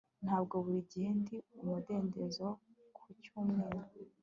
Ntabwo buri gihe ndi umudendezo ku cyumweru